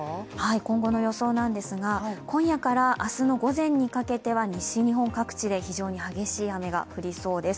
今後の予想なんですが、今夜から明日の午前にかけては西日本各地で非常に激しい雨が降りそうです。